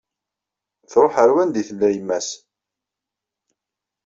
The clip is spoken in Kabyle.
Truḥ ar wanda i tella yemma-s.